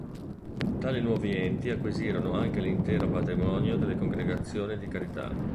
Tali nuovi enti acquisirono anche l'intero patrimonio delle Congregazioni di carità.